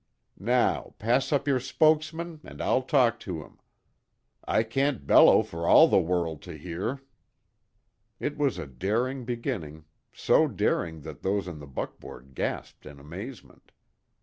Now pass up your spokesman, and I'll talk to him. I can't bellow for all the world to hear." It was a daring beginning, so daring that those in the buckboard gasped in amazement.